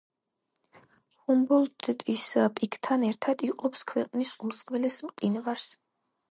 ჰუმბოლდტის პიკთან ერთად იყოფს ქვეყნის უმსხვილეს მყინვარს.